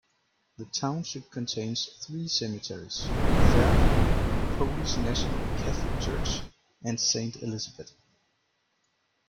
The township contains three cemeteries: Fairview, Polish National Catholic Church and Saint Elizabeth.